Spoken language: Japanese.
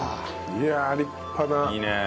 いやあ立派な！いいねえ。